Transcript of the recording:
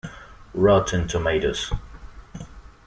Rotten Tomatoes